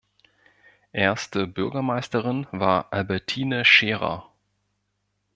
Erste Bürgermeisterin war Albertine Scherer.